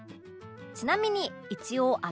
ちなみに一応あの件も